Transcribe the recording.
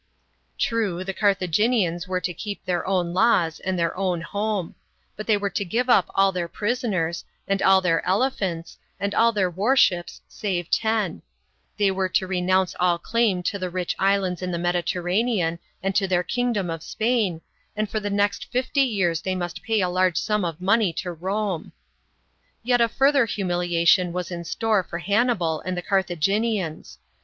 True, the Carthaginians were to keep their own laws, and their own home ; but they were to give up all their prisoners, all their ele phants, and all their warships save ten ; they were to, renounce all claim to the rich islands in the Mediterranean and to their kingdom of Spain, and for the next fifty years they must pay a large sum of money to Rome. Yet a further humiliation was in store for Hanni bal and the Carthaginians.